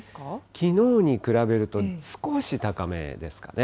きのうに比べると、少し高めですかね。